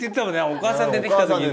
おかあさん出てきた時に。